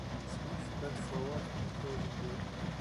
Smith bent forward encouragingly.